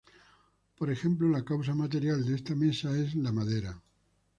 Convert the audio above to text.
Por ejemplo, la causa material de esta mesa es la madera.